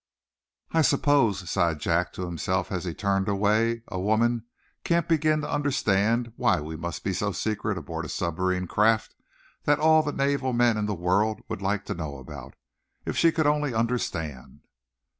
"I suppose," sighed Jack, to himself, as he turned away, "a woman can't begin to understand why we must be so secret aboard a submarine craft that all the naval men in the world would like to know about. If she only could understand!"